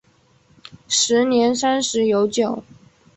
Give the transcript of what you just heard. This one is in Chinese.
时年三十有九。